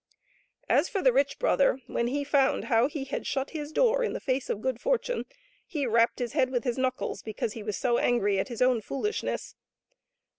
As for the rich brother, when he found how he had shut his door in the face of good fortune, he rapped his head with his knuckles because he was so angry at his own foolishness.